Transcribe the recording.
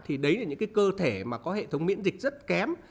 thì đấy là những cái cơ thể mà có hệ thống miễn dịch rất kém